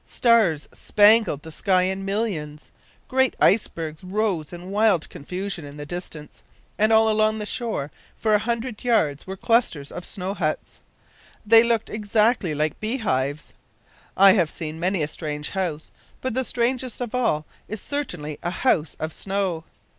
Stars spangled the sky in millions. Great ice bergs rose in wild confusion in the distance, and all along the shore for a few hundred yards were clusters of snow huts. They looked exactly like bee hives. I have seen many a strange house, but the strangest of all is certainly a house of snow!